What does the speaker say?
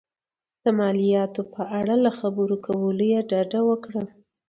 د مالیاتو په اړه له خبرو کولو یې ډډه وکړه.